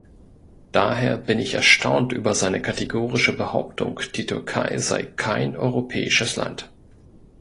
Daher bin ich erstaunt über seine kategorische Behauptung, die Türkei sei kein europäisches Land.